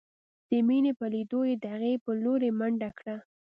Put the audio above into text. د مينې په ليدو يې د هغې په لورې منډه کړه.